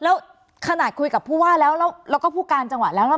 แล้วขนาดคุยกับผู้ว่าแล้วแล้วก็ผู้การจังหวัดแล้วแล้ว